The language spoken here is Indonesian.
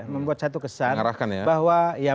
membuat satu kesan